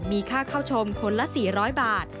มีค่าเข้าชมคนละ๔๐๐บาท